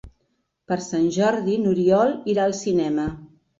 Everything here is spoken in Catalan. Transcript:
Per Sant Jordi n'Oriol irà al cinema.